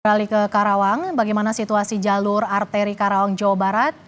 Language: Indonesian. beralih ke karawang bagaimana situasi jalur arteri karawang jawa barat